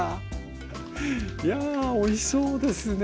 いやおいしそうですね。